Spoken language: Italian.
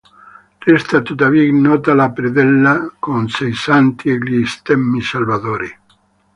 Resta tuttavia ignota la predella con sei santi e gli stemmi Salvadori.